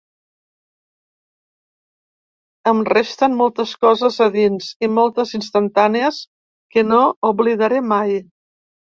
Em resten moltes coses a dins i moltes instantànies que no oblidaré mai.